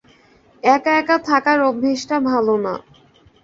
একা-একা থাকার অভ্যেসটা ভালো না।